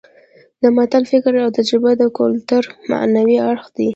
د متل فکر او تجربه د کولتور معنوي اړخ دی